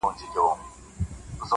o څوک په مال او دولت کله سړی کيږي,